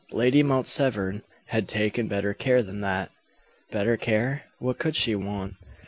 Lady Mount Severn had taken better care than that. Better care? What could she want?